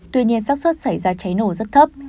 tuy nhiên sắc xuất xảy ra cháy nổ rất thấp